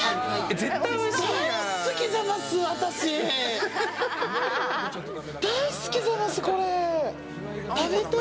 絶対おいしい。